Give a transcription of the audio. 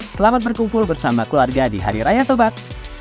selamat berkumpul bersama keluarga di hari raya tobat